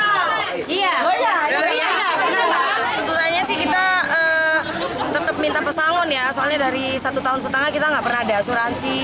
tentunya sih kita tetap minta pesangon ya soalnya dari satu tahun setengah kita nggak pernah ada asuransi